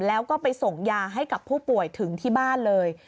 แล้วก็ไปส่งยาให้กับผู้ป่วยถึงที่บ้านเลย